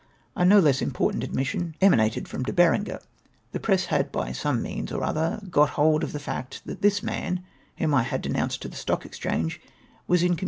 A no less important admission emanated from De Berenger. The press had by some means or other got hold of the fact that this man, whom I had denomiced to the Stock Exchano e, was in aniur/u.